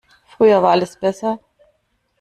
Früher war alles besser.